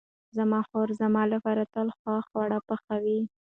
زما خور زما لپاره تل ښه خواړه پخوي.